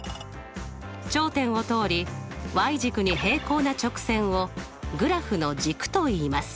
頂点を通り軸に平行な直線をグラフの軸といいます。